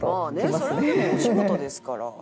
「それはでもお仕事ですから」